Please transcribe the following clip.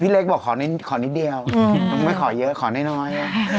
เล็กบอกขอนิดเดียวไม่ขอเยอะขอน้อย